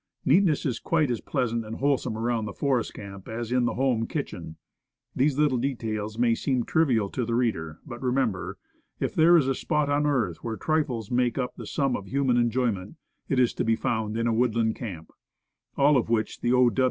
Neatness is quite as pleasant and wholesome around the forest camp as in the home kitchen. These little details may seem trivial to the reader. But remember, if there is a spot on earth where trifles make up the sum of human enjoyment, it is to be found in a woodland camp. All of which the O.